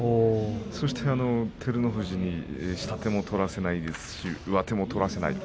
そして、照ノ富士に下手も取らせないですし上手も取らせない